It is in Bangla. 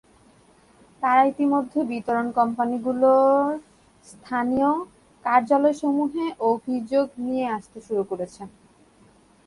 তাঁরা ইতিমধ্যে বিতরণ কোম্পানিগুলোর স্থানীয় কার্যালয়সমূহে অভিযোগ নিয়ে আসতে শুরু করেছেন।